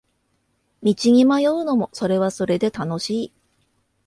道に迷うのもそれはそれで楽しい